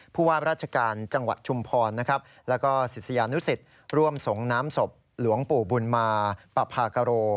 ผู้วาดราชการจังหวัดชุมพรและก็ศิษยานุศิษฐ์ร่วมทรงน้ำศพหลวงปู่บุญมาปรับภากโร